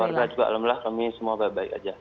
sama keluarga juga alhamdulillah kami semua baik baik aja